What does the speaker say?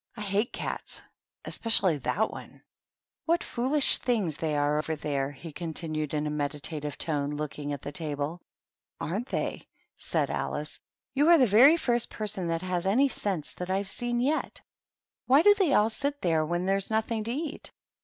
" I hate cats, and especially that one. THE TEA TABLE. 83 " What foolish things they are over there !" he continued, in a meditative tone, looking at the table. "Aren't they !" said Alice. " You are the very first person that has any sense that I have seen yet. Why do they all sit there when there's nothing to eat